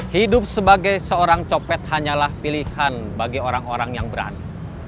hidup sebagai seorang copet hanyalah pilihan bagi orang orang yang berani